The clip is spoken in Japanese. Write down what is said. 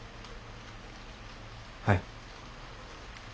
はい。